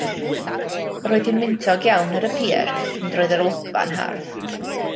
Roedd hi'n wyntog iawn ar y pier, ond roedd yr olygfa yn hardd.